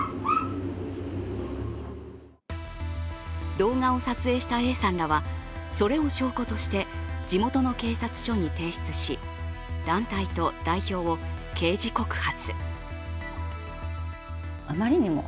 動画を撮影したＡさんらは、それを証拠として地元の警察署に提出し、団体と代表を刑事告発。